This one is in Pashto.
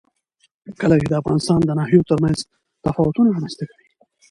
کلي د افغانستان د ناحیو ترمنځ تفاوتونه رامنځ ته کوي.